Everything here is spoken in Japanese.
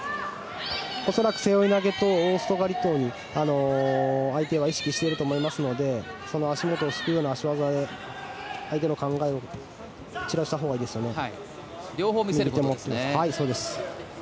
恐らく背負い投げと大外刈りと相手は意識していると思いますのでその足元をすくうような足技で相手の考えを散らしたほうがいいですよね。